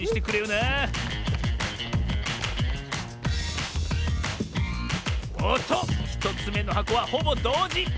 なおっと１つめのはこはほぼどうじ！